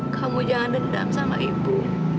kamu jangan dendam sama ibu